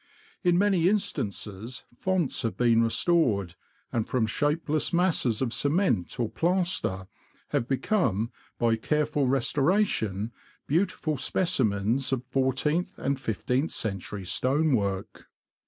In many instances, fonts have been restored, and from shapeless masses of cement or plaster, have become, by careful restoration, beautiful specimens of fourteenth and fifteenth century stonework.